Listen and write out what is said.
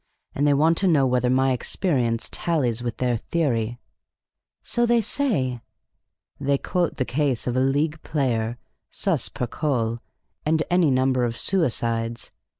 And they want to know whether my experience tallies with their theory." "So they say!" "They quote the case of a league player, sus per coll., and any number of suicides.